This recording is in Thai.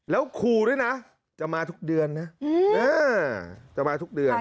แล้วครูด้วยนะจะมาทุกเดือนนะจะมาทุกเดือน